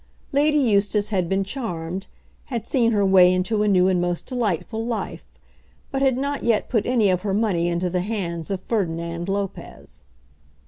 Lady Eustace had been charmed, had seen her way into a new and most delightful life, but had not yet put any of her money into the hands of Ferdinand Lopez.